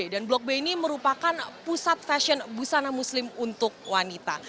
dan blok b ini merupakan pusat fashion busana muslim untuk wanita